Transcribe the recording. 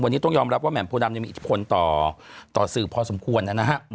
วันนี้ต้องยอมรับว่าแหม่มโพดำยังมีอิทธิพลต่อสื่อพอสมควรนะฮะ